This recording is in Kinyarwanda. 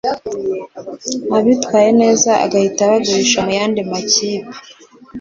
abitwaye neza agahita abagurisha mu yandi makipe